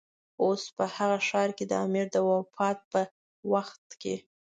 او په هغه ښار کې د امیر د وفات په وخت کې.